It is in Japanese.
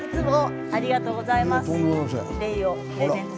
急にありがとうございます。